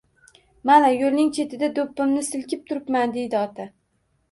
"Mana, yo‘lning chetida do‘ppimni silkib turibman" deydi Ota.